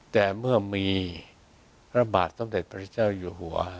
แต่เมื่อมีพระบาทสมเด็จพระเจ้าอยู่หัว